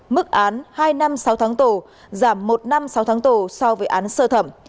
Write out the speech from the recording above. mức án hai năm sáu tháng tù giảm một năm sáu tháng tù so với án sơ thẩm